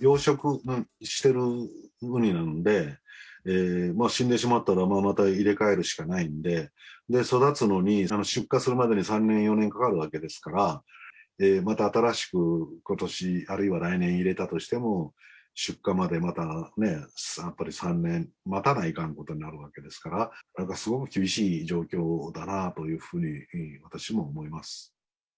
養殖しているウニなので、死んでしまったら、また入れ替えるしかないんで、育つのに、出荷するまでに３年、４年かかるわけですから、また新しくことし、あるいは来年入れたとしても、出荷までまたやっぱり３年またなあかんことになるわけですから、だからすごく厳しい状況だなというふうに私も思います。